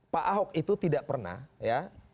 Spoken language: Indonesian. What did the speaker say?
pak ahok itu tidak pernah ya